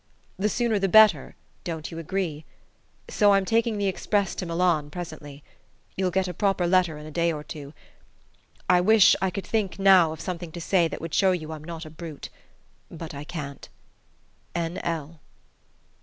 The sooner the better don't you agree? So I'm taking the express to Milan presently. You'll get a proper letter in a day or two. I wish I could think, now, of something to say that would show you I'm not a brute but I can't. N. L."